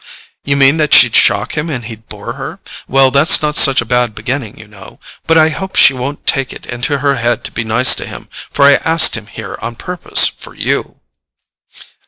"You mean that she'd shock him and he'd bore her? Well, that's not such a bad beginning, you know. But I hope she won't take it into her head to be nice to him, for I asked him here on purpose for you."